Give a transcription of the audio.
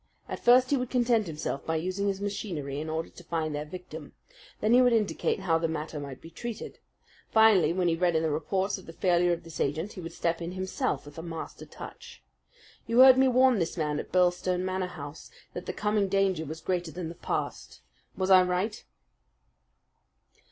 At first he would content himself by using his machinery in order to find their victim. Then he would indicate how the matter might be treated. Finally, when he read in the reports of the failure of this agent, he would step in himself with a master touch. You heard me warn this man at Birlstone Manor House that the coming danger was greater than the past. Was I right?"